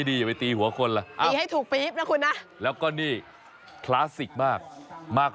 ดีเซ็นต์พวกปิดตาแล้วก็เดินตีปี๊บด้วย